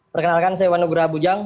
perkenalkan saya wanugraha bujang